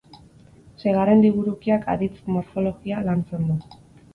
Seigarren liburukiak aditz morfologia lantzen du.